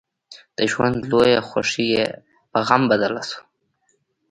د ژوند لويه خوښي يې په غم بدله شوه.